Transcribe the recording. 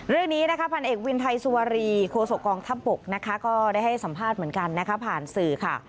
เรื่องนี้ภานะเอกวินไทยสวลีโฌกองธัปปกได้ให้สัมภาษณ์เหมือนกันผ่านสื่อ